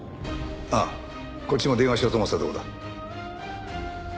ああこっちも電話しようと思ってたとこだ。